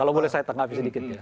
kalau boleh saya tanggap sedikit